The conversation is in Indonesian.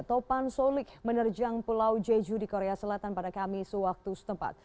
topan solik menerjang pulau jeju di korea selatan pada kamis waktu setempat